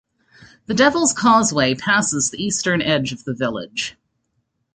The Devil's Causeway passes the eastern edge of the village.